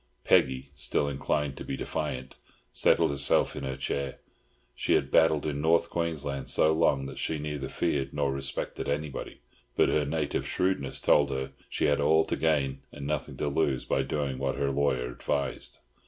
Peggy, still inclined to be defiant, settled herself in her chair. She had battled in North Queensland so long that she neither feared nor respected anybody; but her native shrewdness told her she had all to gain and nothing to lose by doing what her lawyer advised.